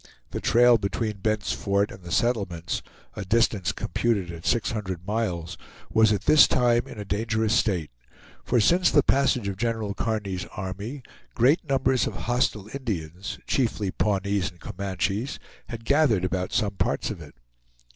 The trail between Bent's Fort and the settlements, a distance computed at six hundred miles, was at this time in a dangerous state; for since the passage of General Kearny's army, great numbers of hostile Indians, chiefly Pawnees and Comanches, had gathered about some parts of it.